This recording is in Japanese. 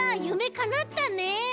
ゆめかなったね！